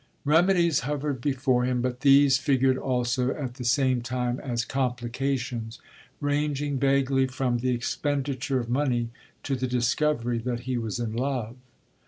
Remedies hovered before him, but these figured also at the same time as complications; ranging vaguely from the expenditure of money to the discovery that he was in love.